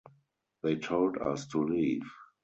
They told us to leave.